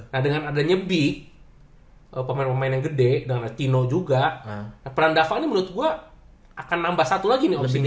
nah dengan adanya b pemain pemain yang gede dan letino juga peran dava ini menurut gue akan nambah satu lagi nih opsinya